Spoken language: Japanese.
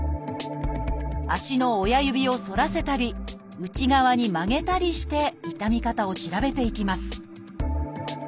足の親指を反らせたり内側に曲げたりして痛み方を調べていきます。